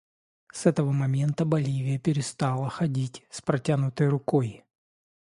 С этого момента Боливия перестала ходить с протянутой рукой.